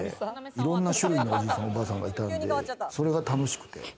いろんな種類のおじいさん、おばあさんがいたんで、それが楽しくて。